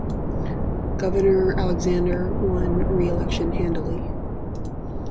Governor Alexander won re-election handily.